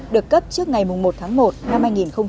được cấp trước ngày một tháng một năm hai nghìn một mươi sáu